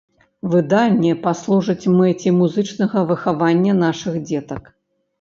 Выданне паслужыць мэце музычнага выхавання нашых дзетак.